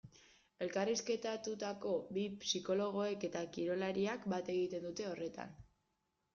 Elkarrizketatutako bi psikologoek eta kirolariak bat egiten dute horretan.